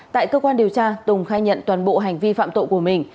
tại cơ quan điều tra tùng khai nhận toàn bộ hành vi phạm tội của mình